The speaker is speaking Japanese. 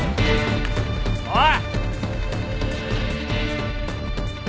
おい！